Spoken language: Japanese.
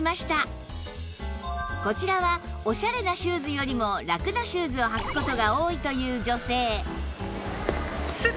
こちらはオシャレなシューズよりもラクなシューズを履く事が多いという女性